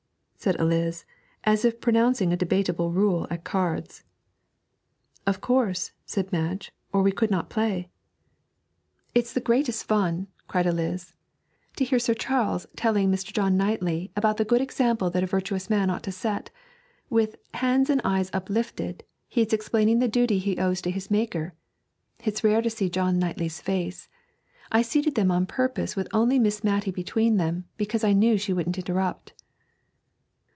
said Eliz, as if pronouncing a debatable rule at cards. 'Of course,' said Madge, 'or we could not play.' 'It's the greatest fun,' cried Eliz, 'to hear Sir Charles telling Mr. John Knightley about the good example that a virtuous man ought to set. With "hands and eyes uplifted" he is explaining the duty he owes to his Maker. It's rare to see John Knightley's face. I seated them on purpose with only Miss Matty between them, because I knew she wouldn't interrupt.'